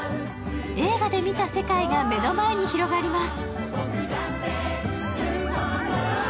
映画で見た世界が目の前に広がります。